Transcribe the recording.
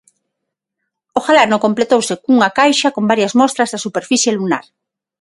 O galano completouse cunha caixa con varias mostras da superficie lunar.